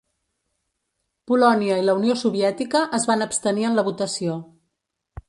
Polònia i la Unió Soviètica es van abstenir en la votació.